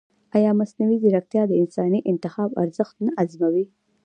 ایا مصنوعي ځیرکتیا د انساني انتخاب ارزښت نه ازموي؟